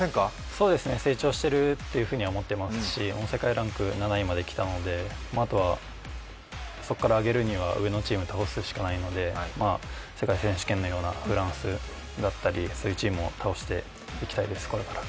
そうですね、成長しているとは思っていますし、世界ランク７位まできたのであとはそこから上げるには上のチームを倒すしかないので、世界選手権のようなフランスだったりそういうチームを倒していきたいです、これから。